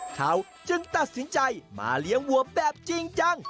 เขาจึงตัดสินใจมาเลี้ยงวัวแบบจริงจัง